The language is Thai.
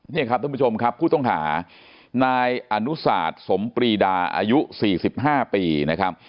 เนี่ยครับทุกผู้ชมครับผู้ต้องหานายอนุศาสตร์สมปรีดาอายุสี่สิบห้าปีนะครับ